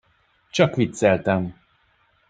Csak vicceltem.